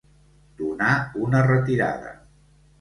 Donar una retirada.